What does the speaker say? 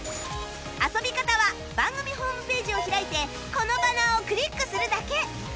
遊び方は番組ホームページを開いてこのバナーをクリックするだけ